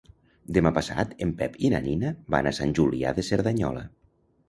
Demà passat en Pep i na Nina van a Sant Julià de Cerdanyola.